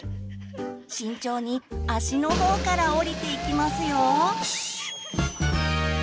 慎重に足のほうから下りていきますよ。